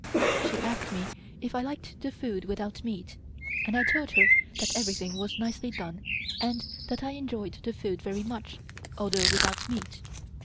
She asked me if I liked the food without meat, and I told her that everything was nicely done and that I enjoyed the food very much, although without meat.